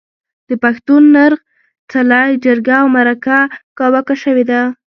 د پښتون نرخ، څلی، جرګه او مرکه کاواکه شوې ده.